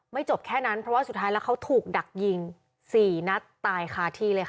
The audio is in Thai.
จบแค่นั้นเพราะว่าสุดท้ายแล้วเขาถูกดักยิง๔นัดตายคาที่เลยค่ะ